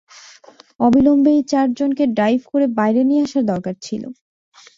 অবিলম্বে এই চারজনকে ডাইভ করে বাইরে নিয়ে আসার দরকার ছিল।